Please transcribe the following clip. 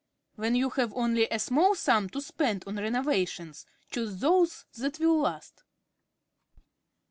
When you have only a small sum to spend on renovations, choose those that will last.